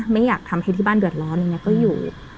ไม่อยากทำให้ที่บ้านเดือดร้อนอะไรอย่างนี้ก็อยู่